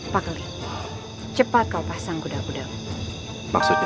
pak geli cepat kau pasang gudang gudang maksudnya